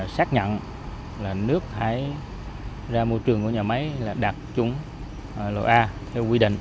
xác nhận là nước thải ra môi trường của nhà máy là đạt chuẩn loại a theo quy định